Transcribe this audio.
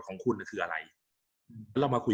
กับการสตรีมเมอร์หรือการทำอะไรอย่างเงี้ย